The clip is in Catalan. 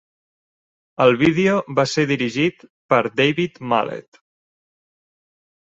El vídeo va ser dirigit per David Mallett.